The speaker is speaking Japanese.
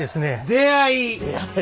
出会い。